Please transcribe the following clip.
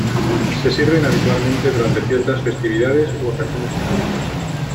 Se sirven habitualmente durante ciertas festividades u ocasiones religiosas.